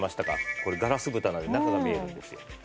これガラス蓋なので中が見えるんですよ。